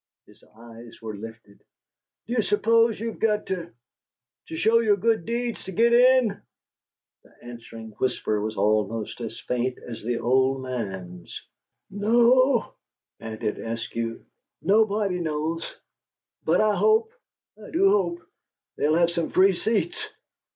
His eyes were lifted. "Do you suppose you've got to to show your good deeds to git in?" The answering whisper was almost as faint as the old man's. "No," panted Eskew, "nobody knows. But I hope I do hope they'll have some free seats.